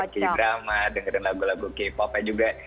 senang banget kini drama dengerin lagu lagu k popnya juga